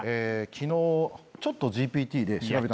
昨日ちょっとＧＰＴで調べた。